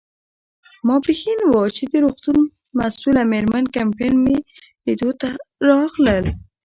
ماپیښین و، چې د روغتون مسؤله مېرمن کمپن مې لیدو ته راغلل.